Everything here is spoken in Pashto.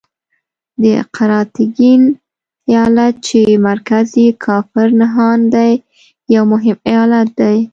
د قراتګین ایالت چې مرکز یې کافر نهان دی یو مهم ایالت دی.